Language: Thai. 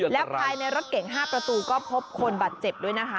แล้วภายในรถเก่ง๕ประตูก็พบคนบาดเจ็บด้วยนะคะ